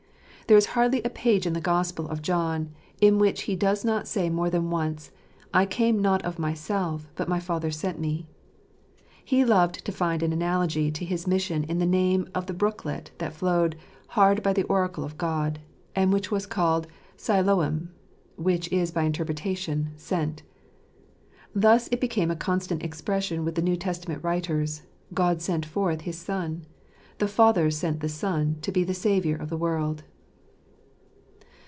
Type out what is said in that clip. There is hardly a page in the Gospel of John in which He does not say more than once, " I came not of Myself, but My Father sent Me." He loved to find an analogy to His mission in the name of the brooklet that flowed "hard by the oracle of God," and which was called Siloam (which is by interpretation, " Sent "). Thus it be came a constant expression with the New Testament writers, "God sent forth his Son;" "The Father sent the Son to be the Saviour of the world."